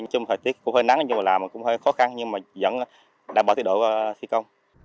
chung thời tiết cũng hơi nắng nhưng mà làm cũng hơi khó khăn nhưng mà vẫn đảm bảo tiến độ thi công